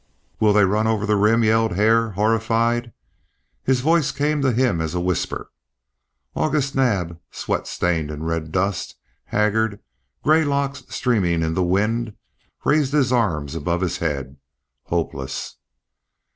"Will they run over the rim?" yelled Hare, horrified. His voice came to him as a whisper. August Naab, sweat stained in red dust, haggard, gray locks streaming in the wind, raised his arms above his head, hopeless.